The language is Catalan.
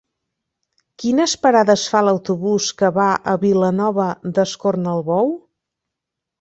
Quines parades fa l'autobús que va a Vilanova d'Escornalbou?